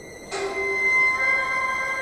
نن به یې د وراري خور پر شونډو نغمه وخاندي.